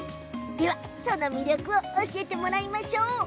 その魅力を教えてもらいましょう。